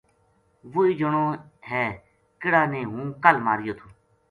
وہی جنو ہے کِہڑا نے ہوں کل ماریو تھو